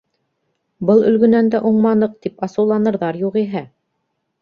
Был Өлгөнән дә уңманыҡ, тип асыуланырҙар, юғиһә.